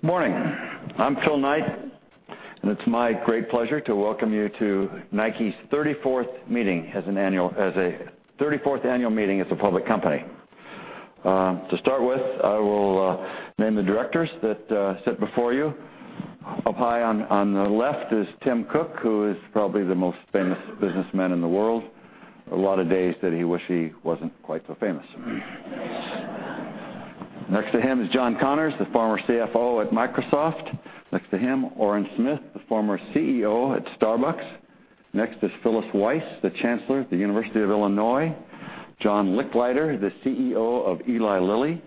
Good morning. I'm Phil Knight. It's my great pleasure to welcome you to Nike's 34th annual meeting as a public company. To start with, I will name the directors that sit before you. Up high on the left is Tim Cook, who is probably the most famous businessman in the world. A lot of days that he wish he wasn't quite so famous. Next to him is John Connors, the former CFO at Microsoft. Next to him, Orin Smith, the former CEO at Starbucks. Next is Phyllis Wise, the chancellor at the University of Illinois. John Lechleiter, the CEO of Eli Lilly.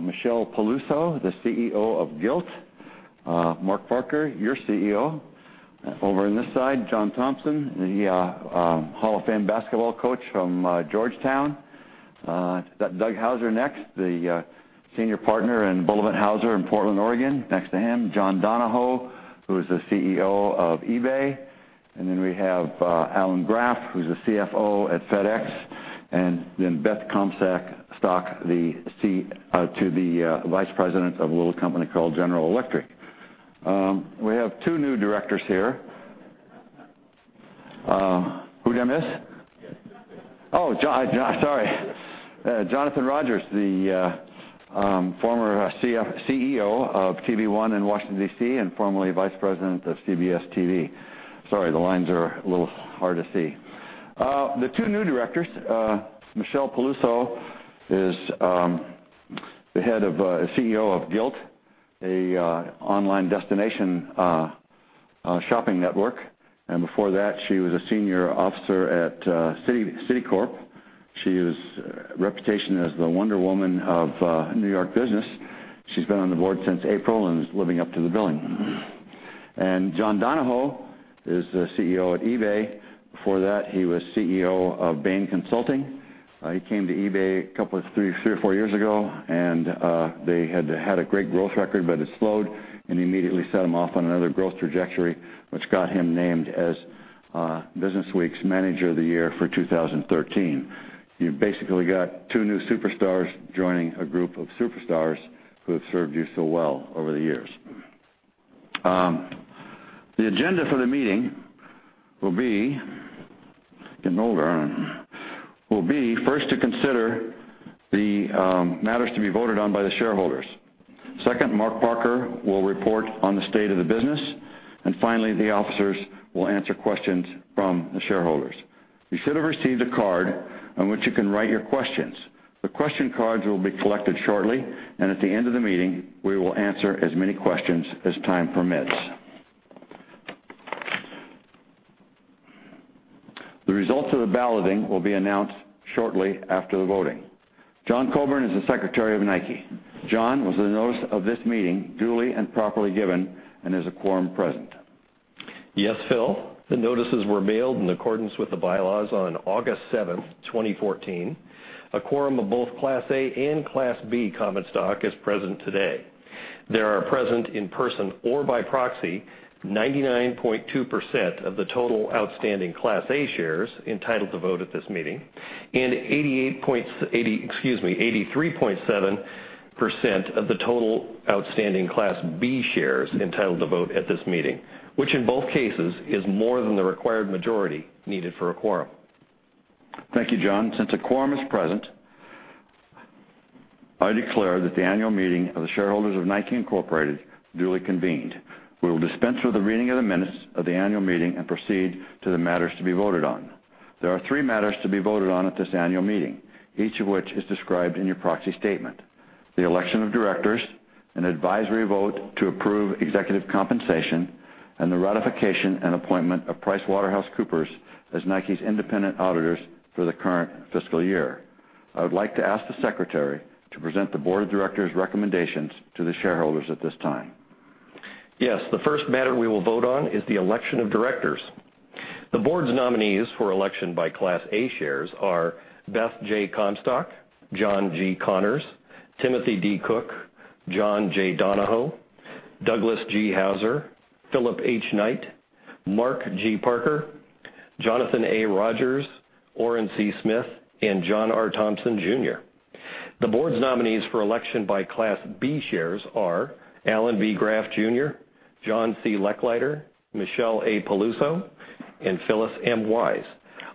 Michelle Peluso, the CEO of Gilt. Mark Parker, your CEO. Over on this side, John Thompson, the Hall of Fame basketball coach from Georgetown. Got Doug Houser next, the senior partner in Bullivant Houser in Portland, Oregon. Next to him, John Donahoe, who is the CEO of eBay. We have Alan Graf, who's the CFO at FedEx. Beth Comstock, the vice president of a little company called General Electric. We have two new directors here. Who'd I miss? Sorry. Johnathan Rodgers, the former CEO of TV One in Washington, D.C., and formerly vice president of CBS TV. Sorry, the lines are a little hard to see. The two new directors, Michelle Peluso is the CEO of Gilt, an online destination shopping network, and before that, she was a senior officer at Citicorp. She has a reputation as the Wonder Woman of New York business. She's been on the board since April and is living up to the billing. John Donahoe is the CEO at eBay. Before that, he was CEO of Bain & Company. He came to eBay three or four years ago, and they had had a great growth record, but it slowed, and he immediately set them off on another growth trajectory, which got him named as "BusinessWeek's" Manager of the Year for 2013. You basically got two new superstars joining a group of superstars who have served you so well over the years. The agenda for the meeting will be, getting older, will be first to consider the matters to be voted on by the shareholders. Second, Mark Parker will report on the state of the business. Finally, the officers will answer questions from the shareholders. You should have received a card on which you can write your questions. The question cards will be collected shortly, and at the end of the meeting, we will answer as many questions as time permits. The results of the balloting will be announced shortly after the voting. John Coburn is the Secretary of Nike. John, was the notice of this meeting duly and properly given and is a quorum present? Yes, Phil. The notices were mailed in accordance with the bylaws on August 7th, 2014. A quorum of both Class A and Class B common stock is present today. There are present in person or by proxy, 99.2% of the total outstanding Class A shares entitled to vote at this meeting, and 83.7% of the total outstanding Class B shares entitled to vote at this meeting, which in both cases is more than the required majority needed for a quorum. Thank you, John. Since a quorum is present, I declare that the annual meeting of the shareholders of Nike Incorporated duly convened. We will dispense with the reading of the minutes of the annual meeting and proceed to the matters to be voted on. There are three matters to be voted on at this annual meeting, each of which is described in your proxy statement: the election of directors, an advisory vote to approve executive compensation, and the ratification and appointment of PricewaterhouseCoopers as Nike's independent auditors for the current fiscal year. I would like to ask the secretary to present the board of directors' recommendations to the shareholders at this time. Yes, the first matter we will vote on is the election of directors. The board's nominees for election by Class A shares are Beth J. Comstock, John G. Connors, Timothy D. Cook, John J. Donahoe, Douglas G. Houser, Philip H. Knight, Mark G. Parker, Johnathan A. Rodgers, Orin C. Smith, and John R. Thompson Jr. The board's nominees for election by Class B shares are Alan B. Graf Jr., John C. Lechleiter, Michelle A. Peluso, and Phyllis M. Wise.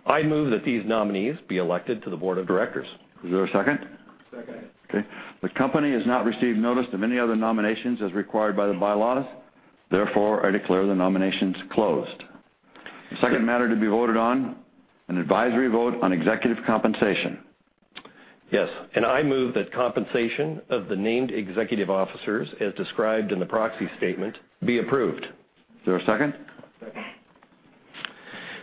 I move that these nominees be elected to the board of directors. Is there a second? Second. Okay. The company has not received notice of any other nominations as required by the bylaws. Therefore, I declare the nominations closed. The second matter to be voted on, an advisory vote on executive compensation. Yes. I move that compensation of the named executive officers, as described in the proxy statement, be approved. Is there a second? Second.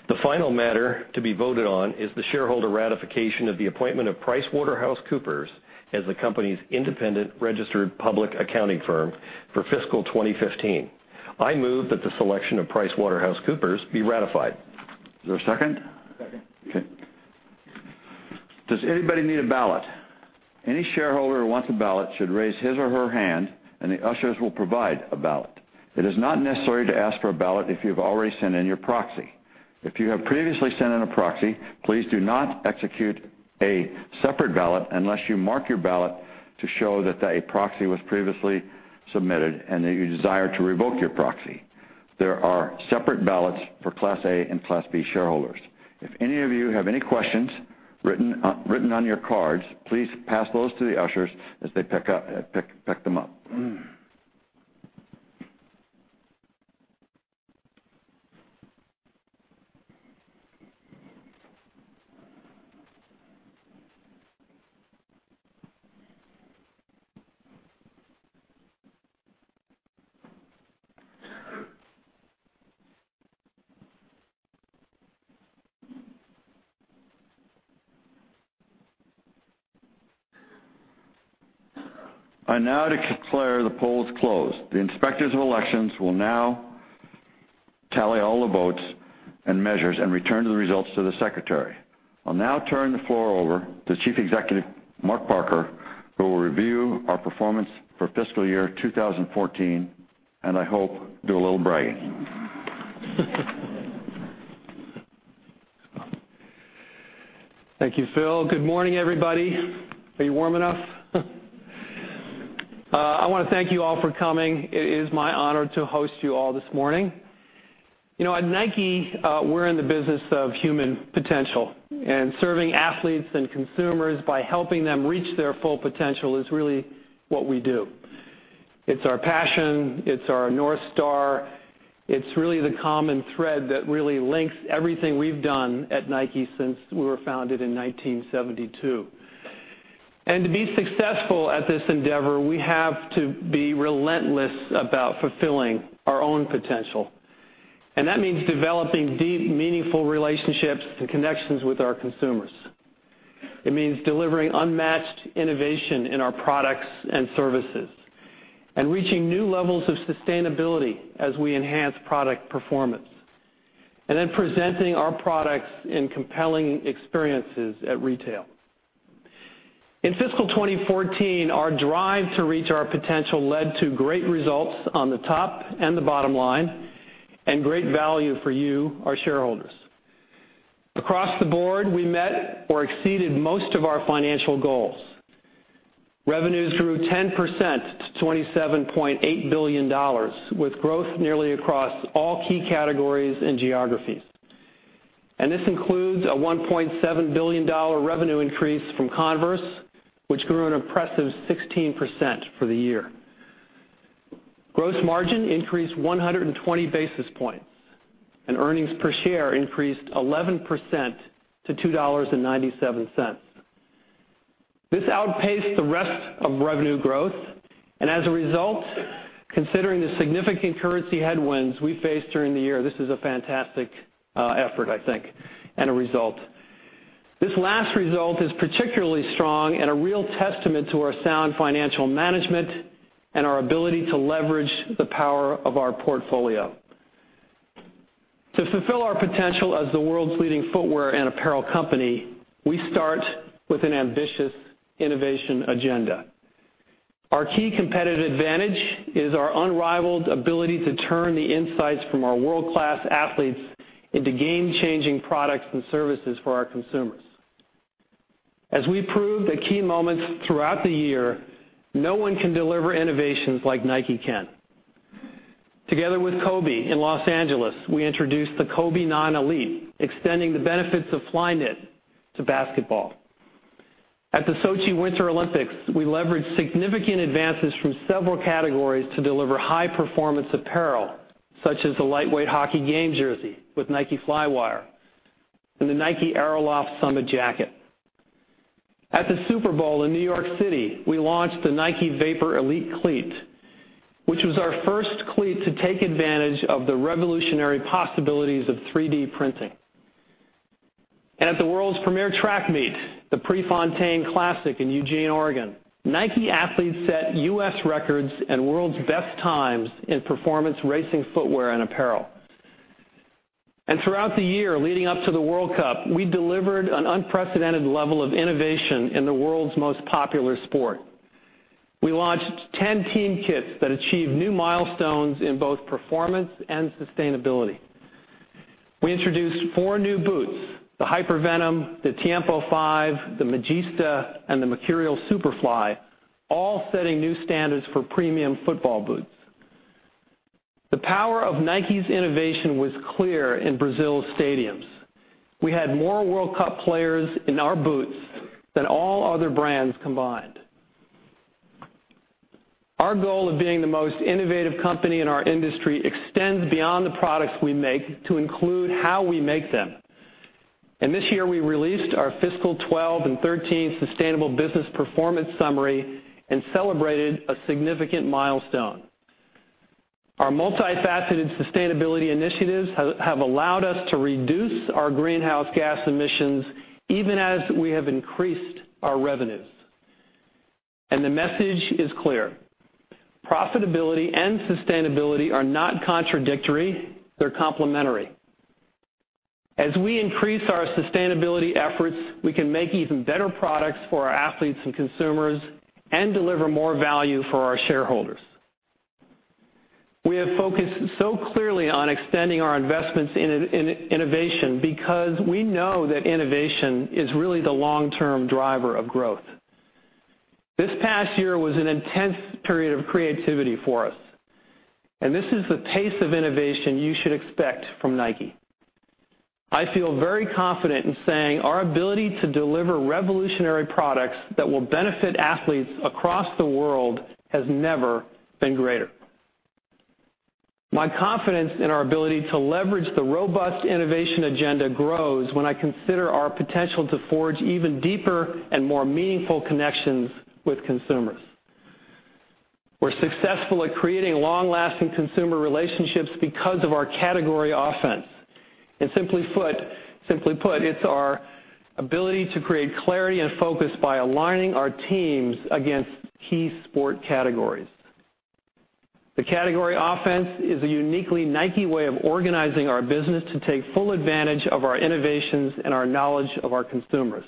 The final matter to be voted on is the shareholder ratification of the appointment of PricewaterhouseCoopers as the company's independent registered public accounting firm for fiscal 2015. I move that the selection of PricewaterhouseCoopers be ratified. Is there a second? Second. Okay. Does anybody need a ballot? Any shareholder who wants a ballot should raise his or her hand. The ushers will provide a ballot. It is not necessary to ask for a ballot if you've already sent in your proxy. If you have previously sent in a proxy, please do not execute a separate ballot unless you mark your ballot to show that a proxy was previously submitted and that you desire to revoke your proxy. There are separate ballots for Class A and Class B shareholders. If any of you have any questions written on your cards, please pass those to the ushers as they pick them up. I now declare the polls closed. The Inspectors of Elections will now tally all the votes and measures and return the results to the Secretary. I'll now turn the floor over to Chief Executive Mark Parker, who will review our performance for fiscal year 2014 and I hope do a little bragging. Thank you, Phil. Good morning, everybody. Are you warm enough? I want to thank you all for coming. It is my honor to host you all this morning. At Nike, we're in the business of human potential and serving athletes and consumers by helping them reach their full potential is really what we do. It's our passion. It's our North Star. It's really the common thread that really links everything we've done at Nike since we were founded in 1972. To be successful at this endeavor, we have to be relentless about fulfilling our own potential. That means developing deep, meaningful relationships and connections with our consumers. It means delivering unmatched innovation in our products and services, and reaching new levels of sustainability as we enhance product performance. Then presenting our products in compelling experiences at retail. In fiscal 2014, our drive to reach our potential led to great results on the top and the bottom line, and great value for you, our shareholders. Across the board, we met or exceeded most of our financial goals. Revenues grew 10% to $27.8 billion, with growth nearly across all key categories and geographies. This includes a $1.7 billion revenue increase from Converse, which grew an impressive 16% for the year. Gross margin increased 120 basis points, and earnings per share increased 11% to $2.97. This outpaced the rest of revenue growth, as a result, considering the significant currency headwinds we faced during the year, this is a fantastic effort, I think, and a result. This last result is particularly strong and a real testament to our sound financial management and our ability to leverage the power of our portfolio. To fulfill our potential as the world's leading footwear and apparel company, we start with an ambitious innovation agenda. Our key competitive advantage is our unrivaled ability to turn the insights from our world-class athletes into game-changing products and services for our consumers. As we proved at key moments throughout the year, no one can deliver innovations like Nike can. Together with Kobe in Los Angeles, we introduced the Kobe 9 Elite, extending the benefits of Flyknit to basketball. At the Sochi Winter Olympics, we leveraged significant advances from several categories to deliver high-performance apparel, such as the lightweight hockey game jersey with Nike Flywire and the Nike Aeroloft Summit jacket. At the Super Bowl in New York City, we launched the Nike Vapor Elite Cleat, which was our first cleat to take advantage of the revolutionary possibilities of 3D printing. At the world's premier track meet, the Prefontaine Classic in Eugene, Oregon, Nike athletes set U.S. records and world's best times in performance racing footwear and apparel. Throughout the year, leading up to the World Cup, we delivered an unprecedented level of innovation in the world's most popular sport. We launched 10 team kits that achieved new milestones in both performance and sustainability. We introduced four new boots, the Hypervenom, the Tiempo 5, the Magista, and the Mercurial Superfly, all setting new standards for premium football boots. The power of Nike's innovation was clear in Brazil's stadiums. We had more World Cup players in our boots than all other brands combined. Our goal of being the most innovative company in our industry extends beyond the products we make to include how we make them. This year, we released our fiscal 2012 and 2013 Sustainable Business Performance Summary and celebrated a significant milestone. Our multifaceted sustainability initiatives have allowed us to reduce our greenhouse gas emissions even as we have increased our revenues. The message is clear. Profitability and sustainability are not contradictory, they're complementary. As we increase our sustainability efforts, we can make even better products for our athletes and consumers and deliver more value for our shareholders. We have focused so clearly on extending our investments in innovation because we know that innovation is really the long-term driver of growth. This past year was an intense period of creativity for us, and this is the pace of innovation you should expect from Nike. I feel very confident in saying our ability to deliver revolutionary products that will benefit athletes across the world has never been greater. My confidence in our ability to leverage the robust innovation agenda grows when I consider our potential to forge even deeper and more meaningful connections with consumers. We're successful at creating long-lasting consumer relationships because of our category offense. Simply put, it's our ability to create clarity and focus by aligning our teams against key sport categories. The category offense is a uniquely Nike way of organizing our business to take full advantage of our innovations and our knowledge of our consumers.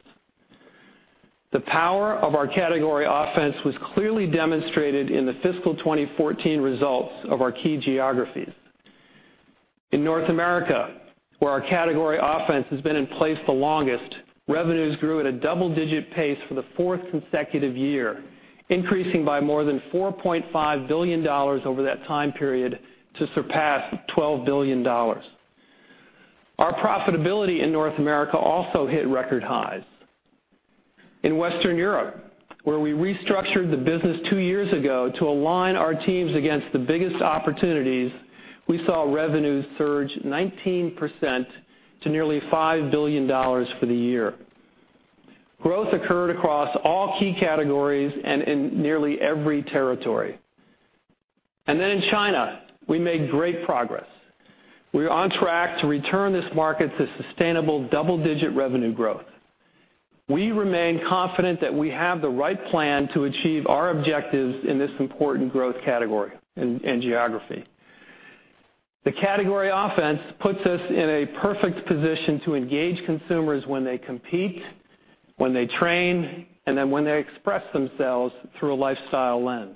The power of our category offense was clearly demonstrated in the fiscal 2014 results of our key geographies. In North America, where our category offense has been in place the longest, revenues grew at a double-digit pace for the fourth consecutive year, increasing by more than $4.5 billion over that time period to surpass $12 billion. Our profitability in North America also hit record highs. In Western Europe, where we restructured the business two years ago to align our teams against the biggest opportunities, we saw revenues surge 19% to nearly $5 billion for the year. Growth occurred across all key categories and in nearly every territory. In China, we made great progress. We are on track to return this market to sustainable double-digit revenue growth. We remain confident that we have the right plan to achieve our objectives in this important growth category and geography. The category offense puts us in a perfect position to engage consumers when they compete, when they train, and then when they express themselves through a lifestyle lens.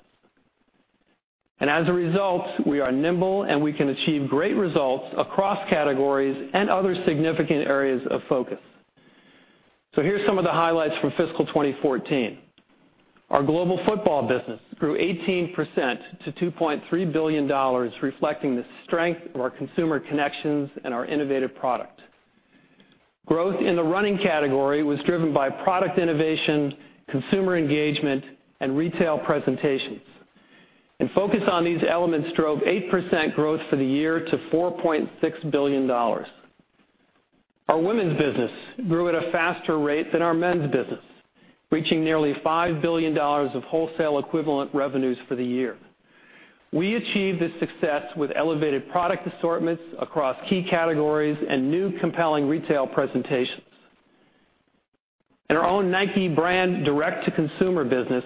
As a result, we are nimble, and we can achieve great results across categories and other significant areas of focus. Here's some of the highlights from fiscal 2014. Our global football business grew 18% to $2.3 billion, reflecting the strength of our consumer connections and our innovative product. Growth in the running category was driven by product innovation, consumer engagement, and retail presentations. Focus on these elements drove 8% growth for the year to $4.6 billion. Our women's business grew at a faster rate than our men's business, reaching nearly $5 billion of wholesale equivalent revenues for the year. We achieved this success with elevated product assortments across key categories and new compelling retail presentations. In our own Nike brand direct-to-consumer business,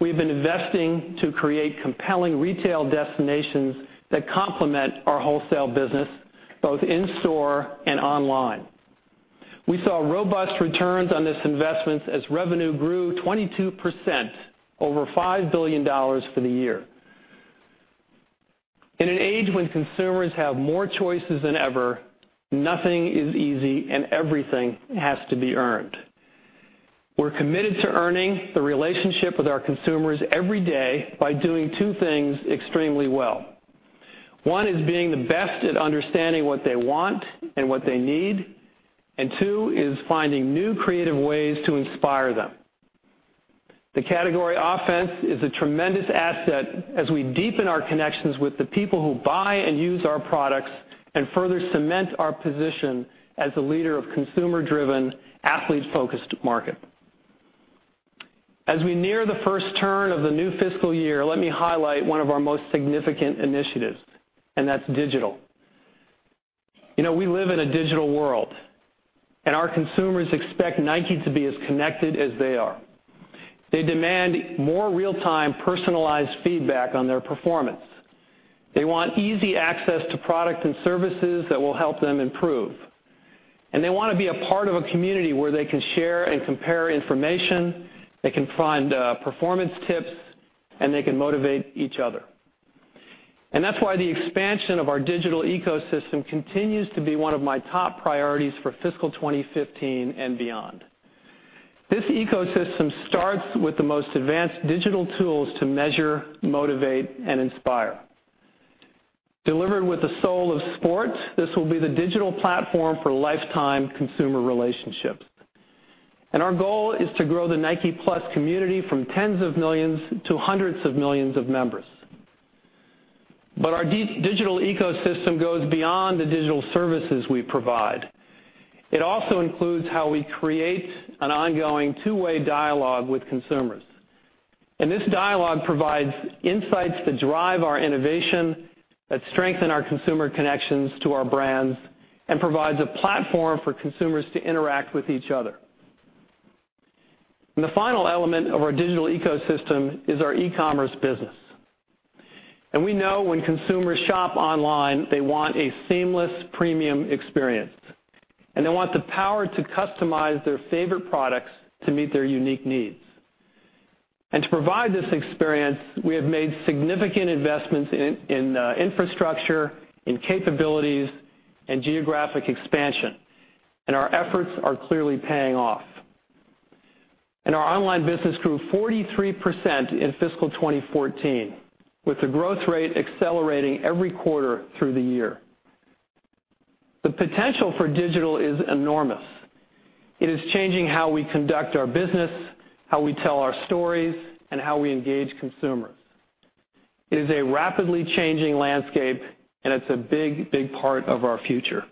we've been investing to create compelling retail destinations that complement our wholesale business, both in-store and online. We saw robust returns on this investment as revenue grew 22%, over $5 billion for the year. In an age when consumers have more choices than ever, nothing is easy and everything has to be earned. We're committed to earning the relationship with our consumers every day by doing two things extremely well. One is being the best at understanding what they want and what they need, and two is finding new creative ways to inspire them. The category offense is a tremendous asset as we deepen our connections with the people who buy and use our products and further cement our position as the leader of consumer-driven, athlete-focused market. As we near the first turn of the new fiscal year, let me highlight one of our most significant initiatives, and that's digital. We live in a digital world, our consumers expect Nike to be as connected as they are. They demand more real-time personalized feedback on their performance. They want easy access to product and services that will help them improve. They want to be a part of a community where they can share and compare information, they can find performance tips, and they can motivate each other. That's why the expansion of our digital ecosystem continues to be one of my top priorities for fiscal 2015 and beyond. This ecosystem starts with the most advanced digital tools to measure, motivate, and inspire. Delivered with the soul of sports, this will be the digital platform for lifetime consumer relationships. Our goal is to grow the Nike+ community from tens of millions to hundreds of millions of members. Our digital ecosystem goes beyond the digital services we provide. It also includes how we create an ongoing two-way dialogue with consumers. This dialogue provides insights that drive our innovation, that strengthen our consumer connections to our brands, and provides a platform for consumers to interact with each other. The final element of our digital ecosystem is our e-commerce business. We know when consumers shop online, they want a seamless premium experience. They want the power to customize their favorite products to meet their unique needs. To provide this experience, we have made significant investments in infrastructure, in capabilities, and geographic expansion, our efforts are clearly paying off. Our online business grew 43% in fiscal 2014, with the growth rate accelerating every quarter through the year. The potential for digital is enormous. It is changing how we conduct our business, how we tell our stories, and how we engage consumers. It is a rapidly changing landscape, and it's a big part of our future.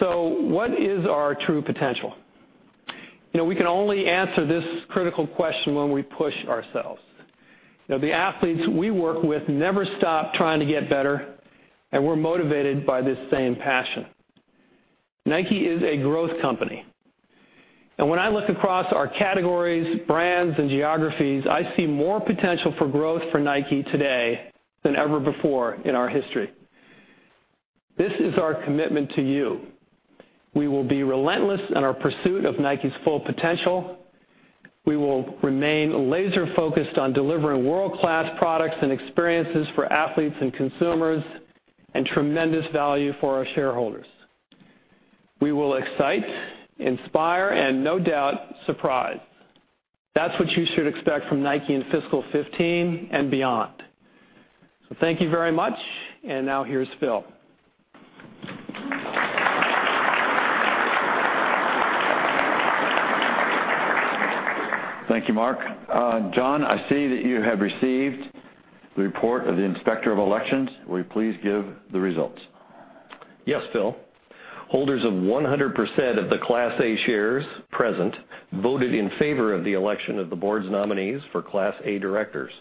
What is our true potential? We can only answer this critical question when we push ourselves. The athletes we work with never stop trying to get better, and we're motivated by this same passion. Nike is a growth company. When I look across our categories, brands, and geographies, I see more potential for growth for Nike today than ever before in our history. This is our commitment to you. We will be relentless in our pursuit of Nike's full potential. We will remain laser-focused on delivering world-class products and experiences for athletes and consumers, and tremendous value for our shareholders. We will excite, inspire, and no doubt, surprise. That's what you should expect from Nike in fiscal 2015 and beyond. Thank you very much. Now, here's Phil. Thank you, Mark. John, I see that you have received the report of the Inspector of Elections. Will you please give the results? Yes, Phil. Holders of 100% of the Class A shares present voted in favor of the election of the board's nominees for Class A directors.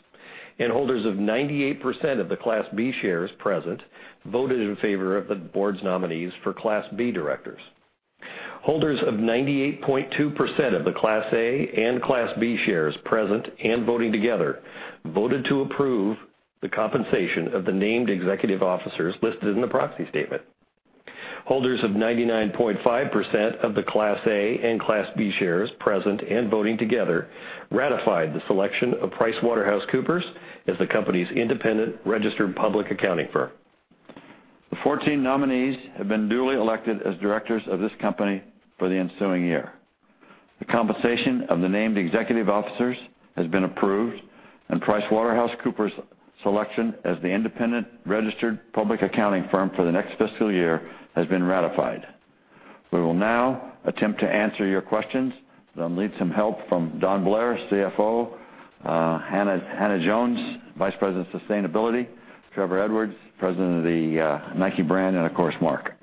Holders of 98% of the Class B shares present voted in favor of the board's nominees for Class B directors. Holders of 98.2% of the Class A and Class B shares present and voting together voted to approve the compensation of the named executive officers listed in the proxy statement. Holders of 99.5% of the Class A and Class B shares present and voting together ratified the selection of PricewaterhouseCoopers as the company's independent registered public accounting firm. The 14 nominees have been duly elected as directors of this company for the ensuing year. The compensation of the named executive officers has been approved, and PricewaterhouseCoopers selection as the independent registered public accounting firm for the next fiscal year has been ratified. We will now attempt to answer your questions, and I'll need some help from Don Blair, CFO, Hannah Jones, Vice President of Sustainability, Trevor Edwards, President of the Nike Brand, and of course, Mark.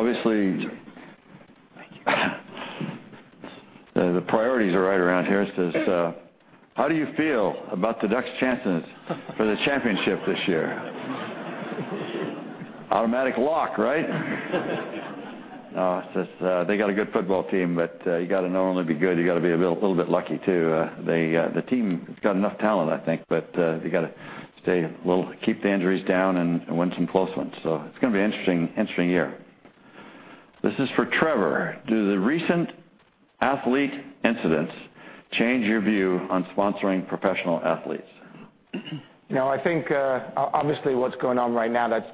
Obviously, the priorities are right around here. It says, how do you feel about the Ducks chances for the championship this year? Automatic lock, right? No, it says they got a good football team, but you got to not only be good, you got to be a little bit lucky, too. The team has got enough talent, I think, but you got to keep the injuries down and win some close ones. It's going to be an interesting year. This is for Trevor. Do the recent athlete incidents change your view on sponsoring professional athletes? No, I think, obviously, what's going on right now, that's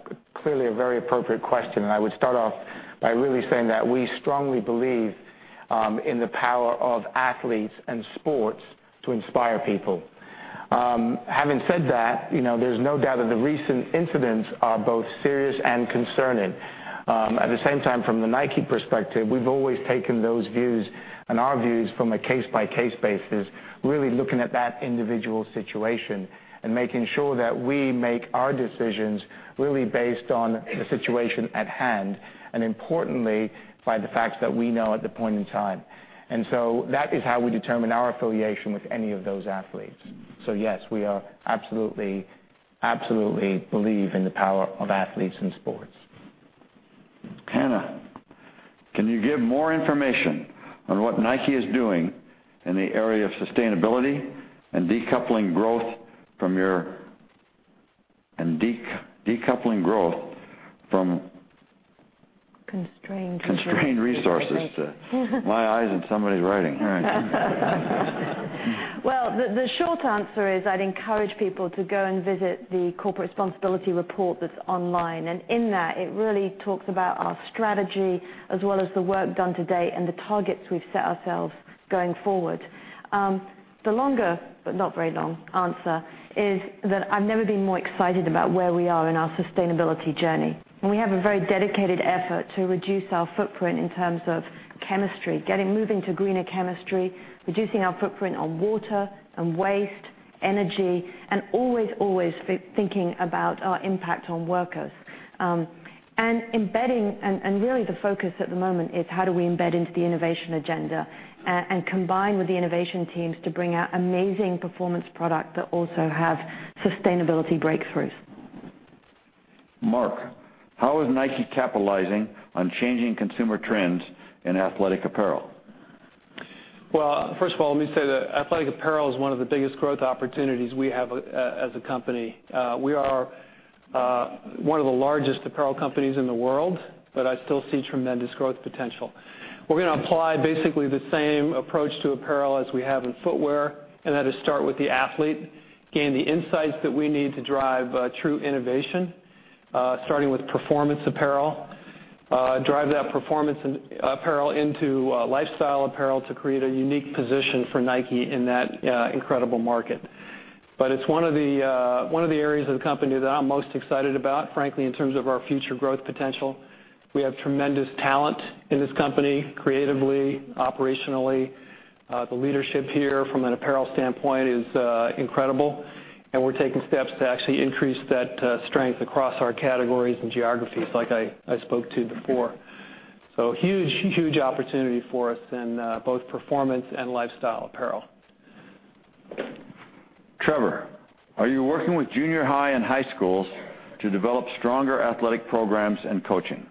clearly a very appropriate question. I would start off by really saying that we strongly believe in the power of athletes and sports to inspire people. Having said that, there's no doubt that the recent incidents are both serious and concerning. At the same time, from the Nike perspective, we've always taken those views and our views from a case-by-case basis, really looking at that individual situation and making sure that we make our decisions really based on the situation at hand and importantly, by the facts that we know at the point in time. That is how we determine our affiliation with any of those athletes. Yes, we absolutely believe in the power of athletes in sports. Hannah, can you give more information on what Nike is doing in the area of sustainability and decoupling growth from constrained resources? Constrained resources. My eyes and somebody's writing. Well, the short answer is I'd encourage people to go and visit the corporate responsibility report that's online. In that, it really talks about our strategy as well as the work done to date and the targets we've set ourselves going forward. The longer, but not very long answer is that I've never been more excited about where we are in our sustainability journey. We have a very dedicated effort to reduce our footprint in terms of chemistry, moving to greener chemistry, reducing our footprint on water and waste, energy, and always thinking about our impact on workers. Really the focus at the moment is how do we embed into the innovation agenda and combine with the innovation teams to bring out amazing performance product that also have sustainability breakthroughs. Mark, how is Nike capitalizing on changing consumer trends in athletic apparel? First of all, let me say that athletic apparel is one of the biggest growth opportunities we have as a company. We are one of the largest apparel companies in the world, I still see tremendous growth potential. We're going to apply basically the same approach to apparel as we have in footwear, that is start with the athlete, gain the insights that we need to drive true innovation, starting with performance apparel, drive that performance apparel into lifestyle apparel to create a unique position for Nike in that incredible market. It's one of the areas of the company that I'm most excited about, frankly, in terms of our future growth potential. We have tremendous talent in this company, creatively, operationally. The leadership here from an apparel standpoint is incredible, we're taking steps to actually increase that strength across our categories and geographies, like I spoke to before. Huge opportunity for us in both performance and lifestyle apparel. Trevor, are you working with junior high and high schools to develop stronger athletic programs and coaching?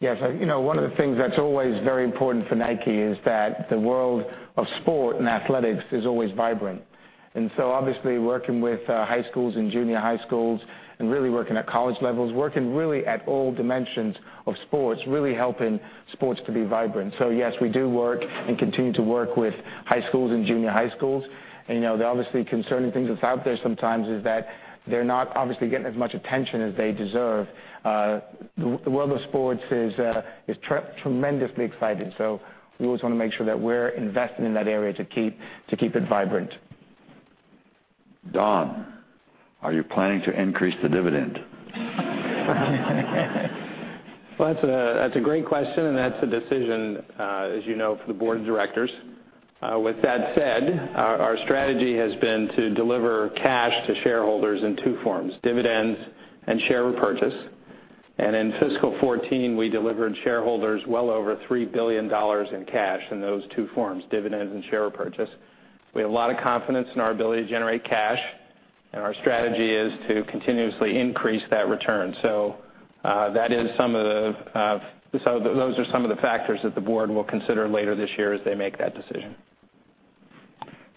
Yes. One of the things that's always very important for Nike is that the world of sport and athletics is always vibrant. Obviously working with high schools and junior high schools and really working at college levels, working really at all dimensions of sports, really helping sports to be vibrant. Yes, we do work and continue to work with high schools and junior high schools. Obviously concerning things that's out there sometimes is that they're not obviously getting as much attention as they deserve. The world of sports is tremendously exciting, we always want to make sure that we're invested in that area to keep it vibrant. Don, are you planning to increase the dividend? Well, that's a great question, that's a decision, as you know, for the Board of Directors. With that said, our strategy has been to deliver cash to shareholders in two forms, dividends and share repurchase. In fiscal 2014, we delivered shareholders well over $3 billion in cash in those two forms, dividends and share repurchase. We have a lot of confidence in our ability to generate cash, and our strategy is to continuously increase that return. Those are some of the factors that the Board will consider later this year as they make that decision.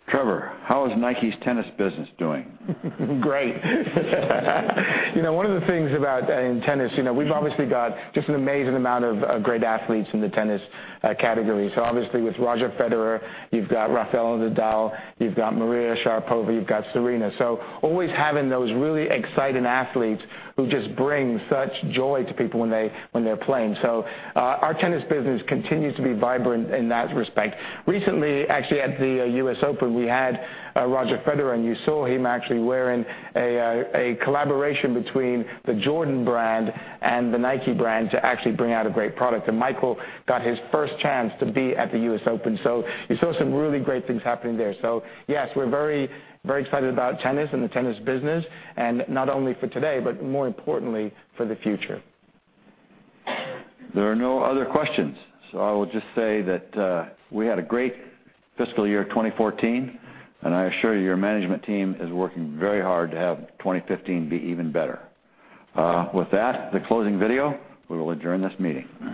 Trevor, how is Nike's tennis business doing? Great. One of the things about in tennis, we've obviously got just an amazing amount of great athletes in the tennis category. Obviously with Roger Federer, you've got Rafael Nadal, you've got Maria Sharapova, you've got Serena. Always having those really exciting athletes who just bring such joy to people when they're playing. Our tennis business continues to be vibrant in that respect. Recently, actually at the U.S. Open, we had Roger Federer, and you saw him actually wearing a collaboration between the Jordan Brand and the Nike Brand to actually bring out a great product, and Michael got his first chance to be at the U.S. Open. You saw some really great things happening there. Yes, we're very excited about tennis and the tennis business, and not only for today, but more importantly for the future. There are no other questions. I will just say that we had a great fiscal year 2014, and I assure you, your management team is working very hard to have 2015 be even better. With that, the closing video, we will adjourn this meeting.